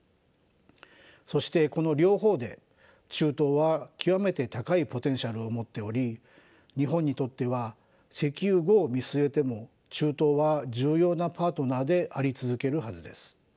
そしてこの両方で中東は極めて高いポテンシャルを持っており日本にとっては石油後を見据えても中東は重要なパートナーであり続けるはずです。